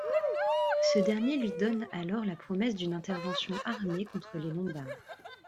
Ce dernier lui donne alors la promesse d'une intervention armée contre les Lombards.